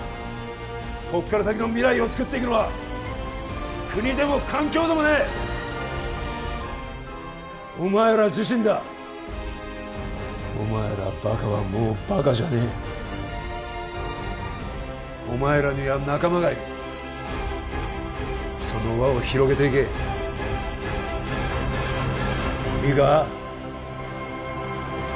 こっから先の未来をつくっていくのは国でも環境でもねえお前ら自身だお前らバカはもうバカじゃねえお前らには仲間がいるその輪を広げていけいいか自分の信じる道を行け！